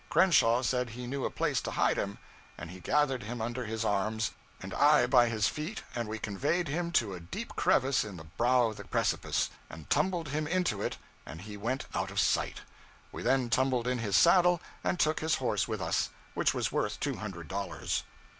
Crenshaw said he knew a place to hide him, and he gathered him under his arms, and I by his feet, and conveyed him to a deep crevice in the brow of the precipice, and tumbled him into it, and he went out of sight; we then tumbled in his saddle, and took his horse with us, which was worth two hundred dollars.